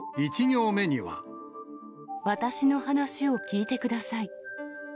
私の話を聞いてください。